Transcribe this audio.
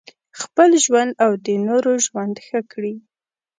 خپل ژوند او د نورو ژوند ښه کړي.